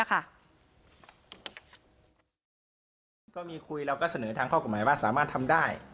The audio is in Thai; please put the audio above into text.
ก็มีคุยเราก็เสนอทางข้อกฎหมายว่าสามารถทำได้